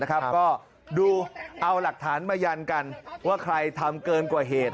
ก็ดูเอาหลักฐานมายันกันว่าใครทำเกินกว่าเหตุ